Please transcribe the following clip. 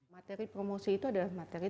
materi promosi itu adalah materi